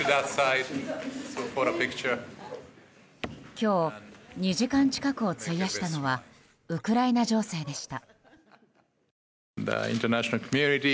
今日、２時間近くを費やしたのはウクライナ情勢でした。